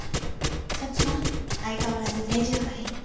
そっちは？相変わらず定時上がり？